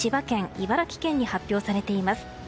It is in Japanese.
茨城県に発表されています。